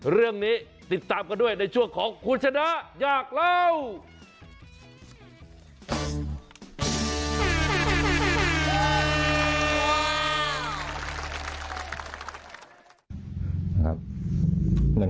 เรื่องนี้ติดตามกันด้วยในช่วงของคุณชนะอยากเล่า